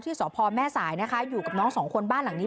สพแม่สายนะคะอยู่กับน้องสองคนบ้านหลังนี้